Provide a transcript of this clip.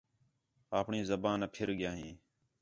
آپݨی زبان آ پِھر ڳِیا ھیں